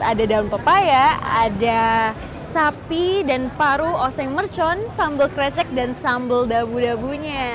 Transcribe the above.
ada daun pepaya ada sapi dan paru oseng mercon sambal krecek dan sambal dabu dabunya